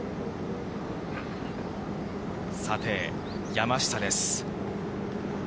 さて、山下です。